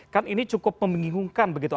kan ini cukup membingungkan begitu